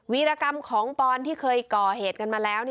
วิรกรรมของปอนที่เคยก่อเหตุกันมาแล้ว